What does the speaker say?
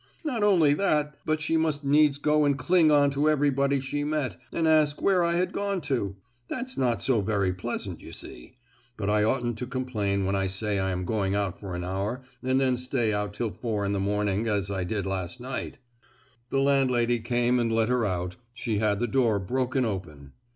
Not only that, but she must needs go and cling on to everybody she met, and ask where I had gone to! That's not so very pleasant, you see! But I oughtn't to complain when I say I am going out for an hour and then stay out till four in the morning, as I did last night! The landlady came and let her out: she had the door broken open!